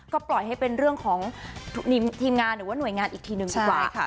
ก็ปล่อยให้เป็นเรื่องของทีมงานหรือว่าหน่วยงานอีกทีหนึ่งกันไว้ค่ะ